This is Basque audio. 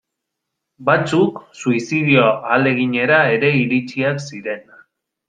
Batzuk suizidio ahaleginera ere iritsiak ziren.